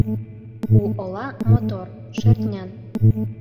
У ола мотор, шӧртнян